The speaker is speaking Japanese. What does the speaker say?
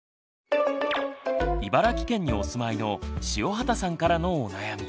茨城県にお住まいの塩畑さんからのお悩み。